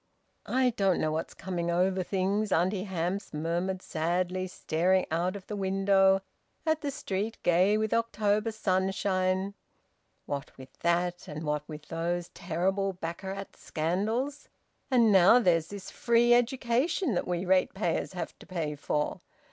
"I don't know what's coming over things!" Auntie Hamps murmured sadly, staring out of the window at the street gay with October sun shine. "What with that! And what with those terrible baccarat scandals. And now there's this free education, that we ratepayers have to pay for.